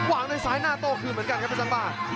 วางในซ้ายหน้าโต้คืนเหมือนกันครับเพชรสร้างบ้าน